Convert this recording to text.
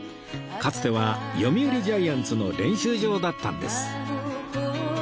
かつては読売ジャイアンツの練習場だったんです